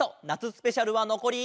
スペシャルはのこり。